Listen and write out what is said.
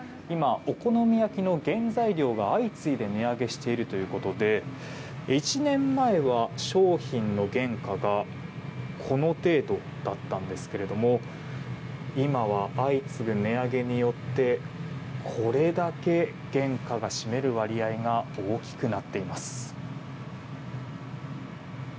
今、お好み焼きの原材料が相次いで値上げしているということで１年前は商品の原価がこの程度だったんですけども今は相次ぐ値上げによってこれだけ原価が占める割合が大きくなっています。